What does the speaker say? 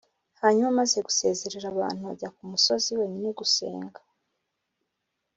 Hanyuma amaze gusezerera abantu ajya ku musozi wenyine gusenga